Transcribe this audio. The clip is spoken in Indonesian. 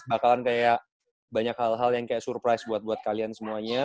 bakalan kayak banyak hal hal yang kayak surprise buat buat kalian semuanya